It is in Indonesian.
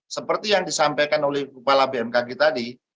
seperti yang disampaikan oleh kepala bmkg tadi